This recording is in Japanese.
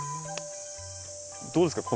どうですか